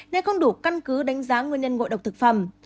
nên không đủ căn cứ đánh giá nguyên nhân ngộ độc thực phẩm